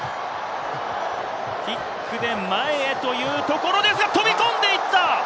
キックで前へというところですが、飛び込んでいった！